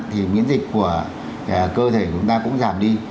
thì miễn dịch của cơ thể của chúng ta cũng giảm đi